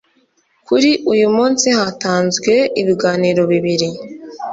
Kuri uyu munsi hatanzwe ibiganiro bibiri